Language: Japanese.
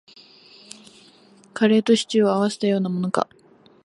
カレーとシチューを合わせたようなものか